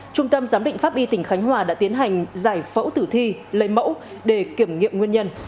trung tâm giám định pháp y tỉnh khánh hòa đã tiến hành giải phẫu tử thi lấy mẫu để kiểm nghiệm nguyên nhân